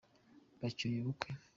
bacyuye ubukwe.